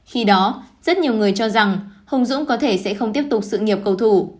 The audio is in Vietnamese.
khi đó rất nhiều người cho rằng hùng dũng có thể sẽ không tiếp tục sự nghiệp cầu thủ